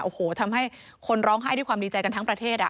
โอ้โหทำให้คนร้องไห้ด้วยความดีใจกันทั้งประเทศ